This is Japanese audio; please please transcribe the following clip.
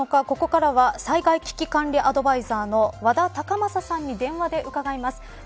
ここからは災害危機管理アドバイザーの和田隆昌さんに電話で伺います。